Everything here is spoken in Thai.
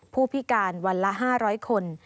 ผู้พิการวันละ๕๐๐คน